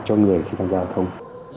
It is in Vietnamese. cho người khi tham gia giao thông